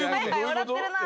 笑ってるな。